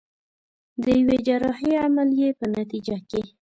د يوې جراحي عمليې په نتيجه کې.